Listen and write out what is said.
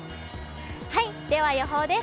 では予報です。